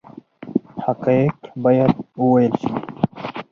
حقایق باید وویل شي